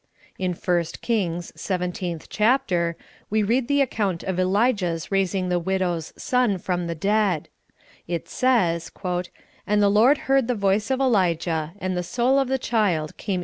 In I St Kings, 17th chapter, we read the account of 94 SOUL FOOD. Elijah's raising the widow's son from the dead. It says : "And the Lord heard the voice of Elijah, and the soul of the child came.